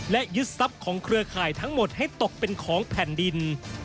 และยึดทรัพย์ของเครือข่ายทั้งหมดให้ตกเป็นของแผ่นดิน